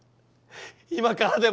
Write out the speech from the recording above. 今からでも！